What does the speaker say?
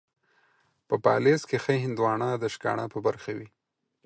په پاليزه کې ښه هندوانه ، د شکاڼه په برخه وي.